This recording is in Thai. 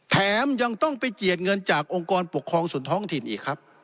แถมยังต้องไปเจียดเงินจากองค์กรปกครองส่วนท้องถิ่นอีกครับ